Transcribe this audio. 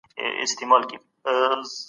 او جریان یې ګړندی شي